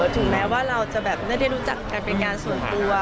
ถึงแม้ว่าเราจะแบบไม่ได้รู้จักกันเป็นการส่วนตัว